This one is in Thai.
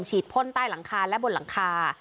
พ่นใต้หลังคาและบนหลังคา